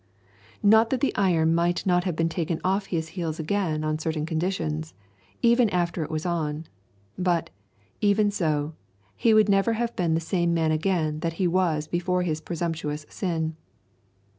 Not that the iron might not have been taken off his heels again on certain conditions, even after it was on; but, even so, he would never have been the same man again that he was before his presumptuous sin.